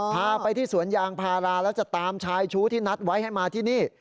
พาไปที่สวนยางพาราแล้วจะตามชายชู้ที่นัดไว้ให้มาที่นี่